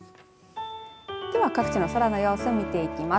では、各地の空の様子見ていきます。